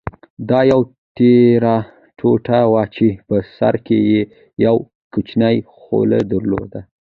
دا یوه تېره ټوټه وه چې په سر کې یې یو کوچنی خولۍ درلوده.